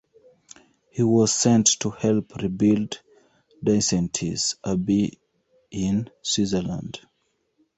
He was sent to help rebuild Disentis Abbey in Switzerland.